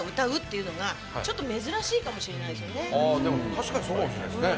確かにそうかもしれないですね。